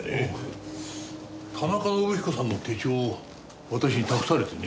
田中伸彦さんの手帳を私に託されてね。